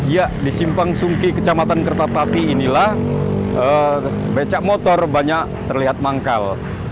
ya di simpang sungki kecamatan kertapati inilah becak motor banyak terlihat manggal